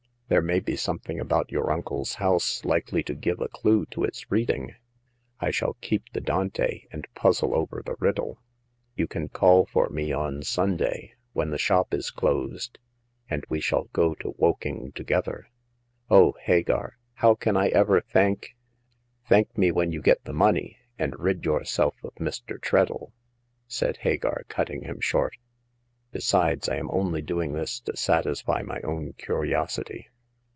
There may be some thing about your uncle's house likely to give a clue to its reading. I shall keep the Dante, and puzzle over the riddle ; you can call for me on Sunday, when the shop is closed, and we shall go to Woking together." " O Hagar ! how can I ever thank "" Thank me when you get the money, and rid yourself of Mr. Treadle !" said Hagar, cutting him short. " Besides, I am only doing this to satisfy my own curiosity."